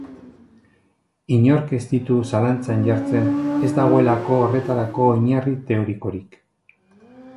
Inork ez ditu zalantzan jartzen, ez dagoelako horretarako oinarri teorikorik.